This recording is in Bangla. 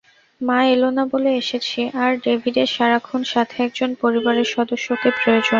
মা এলো না বলে এসেছি, আর ডেভিডের সারাক্ষণ সাথে একজন পরিবারের সদস্যকে প্রয়োজন।